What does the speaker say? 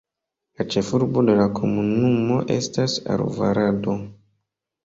La ĉefurbo de la komunumo estas Alvarado.